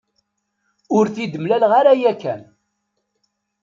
Ur t-id-mlaleɣ ara yakan.